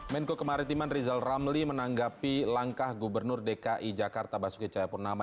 menko kemaritiman rizal ramli menanggapi langkah gubernur dki jakarta basuki cahayapurnama